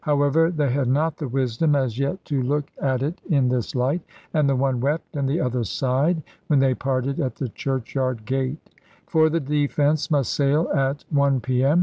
However, they had not the wisdom as yet to look at it in this light, and the one wept and the other sighed, when they parted at the churchyard gate; for the Defence must sail at 1 P.M.